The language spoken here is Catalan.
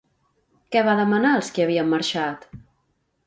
Què va demanar als qui havien marxat?